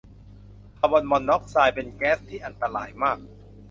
คาร์บอนมอนอกซ์ไซด์เป็นแก๊สที่อันตรายมาก